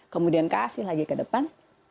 kemudian kasih lagi ke depan